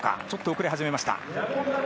ちょっと遅れ始めました。